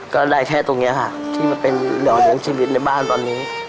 ก็ได้แค่ตรงนี้ค่ะที่มาเป็นห่อเลี้ยงชีวิตในบ้านตอนนี้